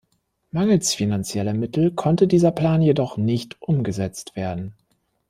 Mangels finanzieller Mittel konnte dieser Plan jedoch nicht umgesetzt werden.